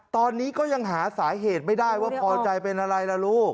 ตอนนี้ก็ยังหาสาเหตุไม่ได้ว่าพอใจเป็นอะไรล่ะลูก